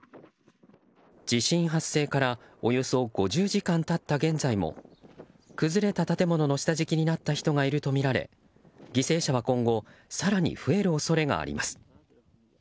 地震発生からおよそ５０時間経った現在も崩れた建物の下敷きになった人がいるとみられ犠牲者は今後更に増える恐れがあります。